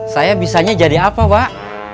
saya bisanya jadi apa pak